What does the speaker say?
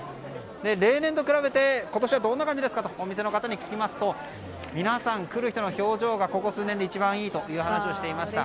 例年と比べて今年はどんな感じですかとお店の方に聞きますと皆さん、来る人の表情がここ数年で一番良いと話していました。